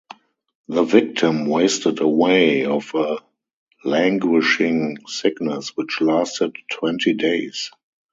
The victim wasted away of a languishing sickness which lasted twenty days.